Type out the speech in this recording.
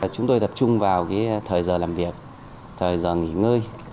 chúng tôi tập trung vào thời giờ làm việc thời giờ nghỉ ngơi